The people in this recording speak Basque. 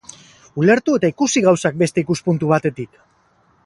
Ulertu eta ikusi gauzak beste ikuspuntu batetik!